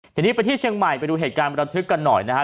ทีนี้ไปที่เชียงใหม่ไปดูเหตุการณ์ประทึกกันหน่อยนะฮะ